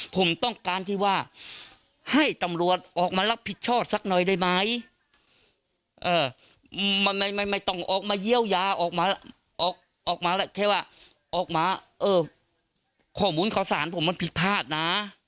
ผมต้องการที่ว่าให้ตำรวจออกมารับผิดชอบสักหน่อยได้ไหมไม่ต้องออกมาเยี่ยวยาออกมาออกมาแค่ว่าออกมาเออข้อมูลข่าวสารผมมันผิดพลาดนะ